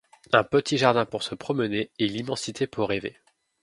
Un petit jardin pour se promener, et l’immensité pour rêver.